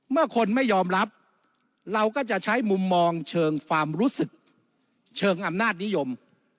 เมื่อคนไม่ยอมรับเราก็จะใช้มุมมองเชิงความรู้สึกเชิงอำนาจนิยม